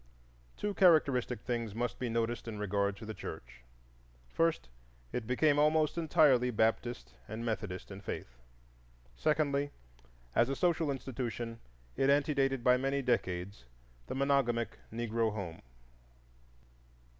Two characteristic things must be noticed in regard to the church. First, it became almost entirely Baptist and Methodist in faith; secondly, as a social institution it antedated by many decades the monogamic Negro home.